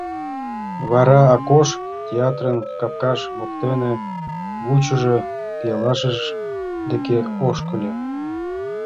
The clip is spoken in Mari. Вара Акош театрын капкаж воктене вучышо пелашыж деке ошкыльо.